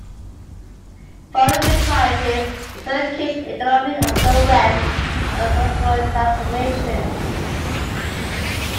Following the crisis, the Turkish economy underwent a structural transformation.